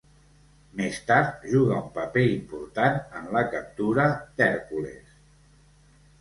Més tard, juga un paper important en la captura d'Hèrcules.